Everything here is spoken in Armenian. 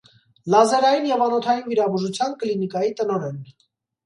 Լազերային և անոթային վիրաբուժության կլինիկայի տնօրեն։